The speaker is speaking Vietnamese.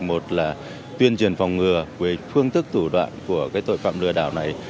một là tuyên truyền phòng ngừa về phương thức thủ đoạn của tội phạm lừa đảo này